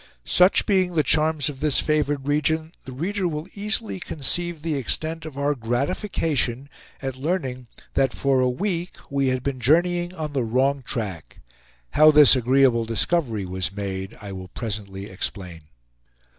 Such being the charms of this favored region, the reader will easily conceive the extent of our gratification at learning that for a week we had been journeying on the wrong track! How this agreeable discovery was made I will presently explain.